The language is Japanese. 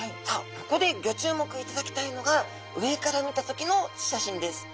ここでギョ注目いただきたいのが上から見た時の写真です。